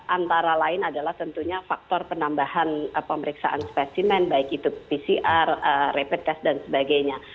antara lain adalah tentunya faktor penambahan pemeriksaan spesimen baik itu pcr rapid test dan sebagainya